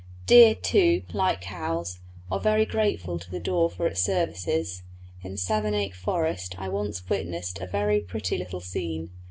Deer, too, like cows, are very grateful to the daw for its services. In Savernake Forest I once witnessed a very pretty little scene.